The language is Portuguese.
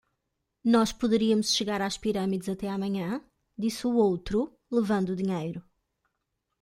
"Nós poderíamos chegar às Pirâmides até amanhã?" disse o outro? levando o dinheiro.